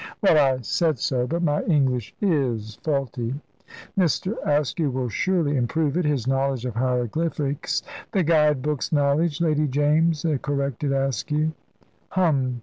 '" "Well, I said so. But my English is faulty." "Mr. Askew will surely improve it. His knowledge of hieroglyphics " "The guide book's knowledge, Lady James," corrected Askew. "Hum!